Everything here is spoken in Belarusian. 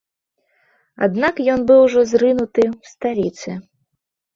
Аднак ён быў ужо зрынуты ў сталіцы.